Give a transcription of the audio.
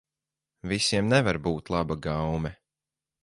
Visiem nevar būt laba gaume.